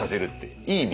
いい意味で。